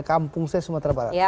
kampung saya sumatera barat